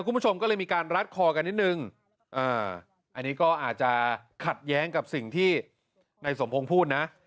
คุณผู้ชมก็เลยมีการรัดคอกันนิดนึงอันนี้ก็อาจจะขัดแย้งกับสิ่งที่นายสมพงศ์พูดนะ